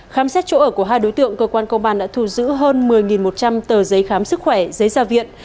khám xét chỗ ở của hai đối tượng cơ quan công an đã thu giữ hơn một mươi một trăm linh tờ dây khám sức khỏe dây gia viện